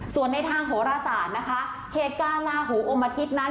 ส่วนในทางโหรศาสตร์นะคะเหตุการณ์ลาหูอมอาทิตย์นั้น